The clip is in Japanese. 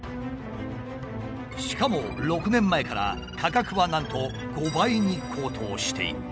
しかも６年前から価格はなんと５倍に高騰している。